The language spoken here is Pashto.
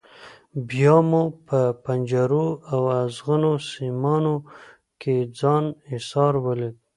بیا مو په پنجرو او ازغنو سیمانو کې ځان ایسار ولید.